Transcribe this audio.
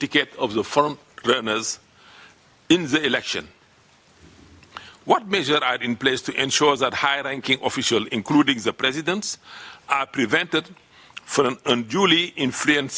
kampenya berlaku di zimbabwe